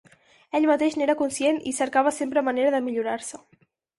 Ell mateix n'era conscient i cercava sempre manera de millorar-se.